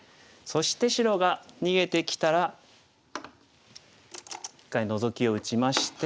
そして白が逃げてきたら一回ノゾキを打ちまして。